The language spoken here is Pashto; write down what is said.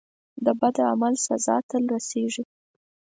د بد عمل سزا تل رسیږي.